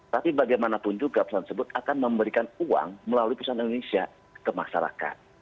tapi bagaimanapun juga perusahaan tersebut akan memberikan uang melalui perusahaan indonesia ke masyarakat